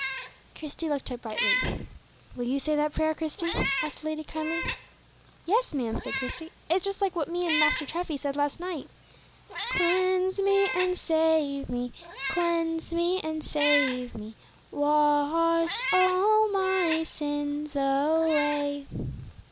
'" Christie looked up brightly. "Will you say that prayer, Christie?" asked the lady, kindly. "Yes, ma'am," said Christie; "it's just like what me and Master Treffy said last night: 'Cleanse me and save me, Cleanse me and save me, Wash all my sins away.'"